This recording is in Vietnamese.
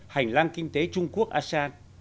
hành lang kinh tế trung quốc asean